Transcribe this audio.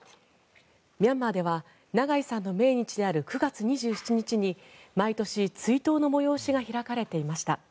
ミャンマーでは長井さんの命日である９月２７日に毎年、追悼の催しが開かれていました。